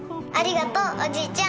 ありがとう。